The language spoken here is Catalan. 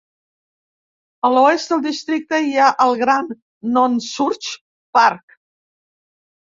A l'oest del districte hi ha el gran Nonsuch Park.